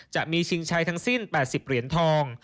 ชิงชัยทั้งสิ้น๘๐เหรียญทอง